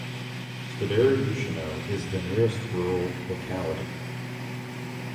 Spodaryushino is the nearest rural locality.